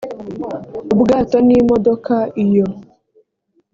ubwato n imodoka iyo